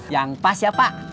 yang pas ya pak